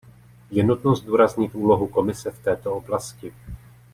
Je nutno zdůraznit úlohu Komise v této oblasti.